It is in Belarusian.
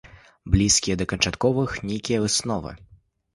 Блізкія да канчатковых нейкія высновы.